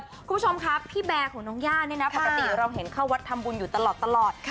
คุณผู้ชมครับพี่แบร์ของน้องย่าเนี่ยนะปกติเราเห็นเข้าวัดทำบุญอยู่ตลอด